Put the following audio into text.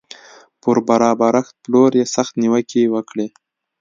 پر برابرښت پلور یې سختې نیوکې وکړې